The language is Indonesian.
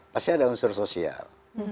pasti ada unsur sosial